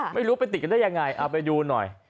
ไม่รู้ไปติดกันได้ยังไงเอาไปดูหน่อย